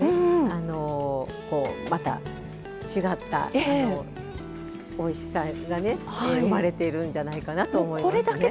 あのこうまた違ったおいしさがね生まれてるんじゃないかなと思いますね。